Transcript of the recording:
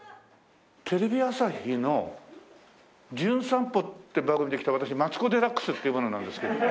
テレビ朝日の『じゅん散歩』って番組で来た私マツコ・デラックスっていう者なんですけど。